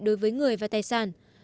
đối với người và tài sản